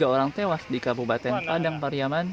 tiga orang tewas di kabupaten padang pariaman